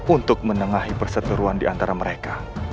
untuk menengahi perseteruan di antara mereka